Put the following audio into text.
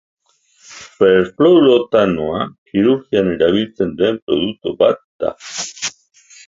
Perfluoroktanoa kirurgian erabiltzen den produktu bat da.